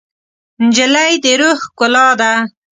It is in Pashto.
نجلۍ د روح ښکلا ده.